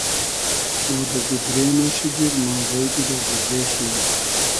او دۂ گودرې مۂ شیجیر, ما غݷدی دۂ گودرې شی ییم